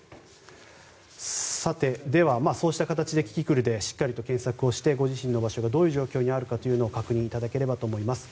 さて、そうした形でキキクルでしっかりと検索をして、ご自身の場所がどういう状況にあるか確認いただければと思います。